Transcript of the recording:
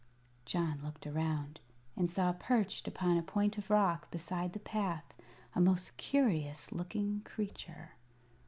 John looked around, and saw perched upon a point of rock beside the path a most curious looking creature.